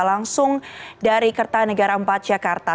langsung dari kertanegara empat jakarta